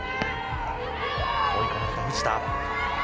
追い込まれた藤田。